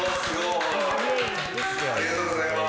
ありがとうございます。